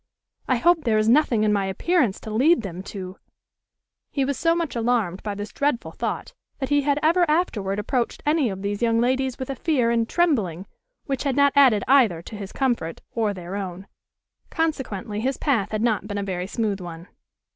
I hope there is nothing in my appearance to lead them to" He was so much alarmed by this dreadful thought, that he had ever afterward approached any of these young ladies with a fear and trembling which had not added either to his comfort or their own; consequently his path had not been a very smooth one.